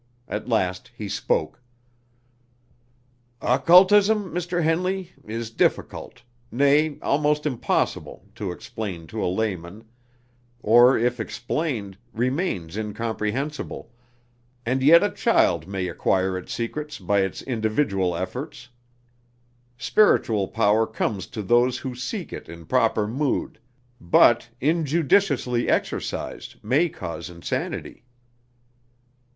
At last he spoke: "Occultism, Mr. Henley, is difficult nay, almost impossible to explain to a layman; or if explained, remains incomprehensible; and yet a child may acquire its secrets by its individual efforts. Spiritual power comes to those who seek it in proper mood, but, injudiciously exercised, may cause insanity."